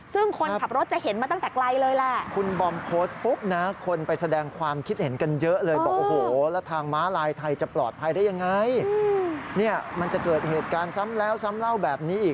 ซึ่งคนขับรถจะเห็นมาตั้งแต่ไกลเลยแหละ